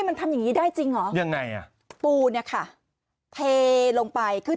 มันทำอย่างงี้ได้จริงเหรอยังไงอ่ะปูเนี่ยค่ะเทลงไปคือ